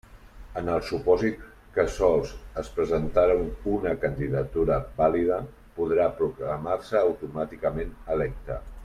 En el supòsit que sols es presentara una candidatura vàlida, podrà proclamar-se automàticament electa.